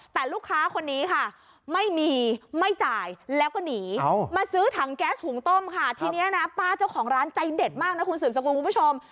แต่ลูกค้าคนนี้ค่ะไม่มีไม่จ่ายแล้วก็หนีมาซื้อถังแก๊สหุงต้มค่ะทีนี้นะป้าเจ้าของร้านใจเด็ดมากนะคุณสืบสกุลคุณผู้ชม